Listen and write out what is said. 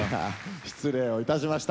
失礼をいたしました。